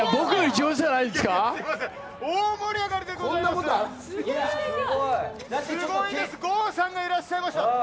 郷さんがいらっしゃいました。